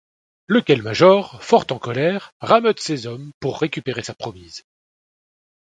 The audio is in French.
Lequel major, fort en colère rameute ses hommes pour récupérer sa promise.